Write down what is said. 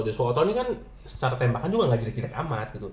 joshua otto ini kan secara tembakan juga gak jadi kirek amat gitu